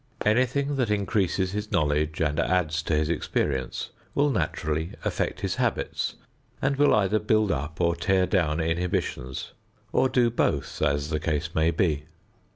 Anything that increases his knowledge and adds to his experience will naturally affect his habits and will either build up or tear down inhibitions or do both, as the case may be.